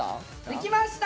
できました！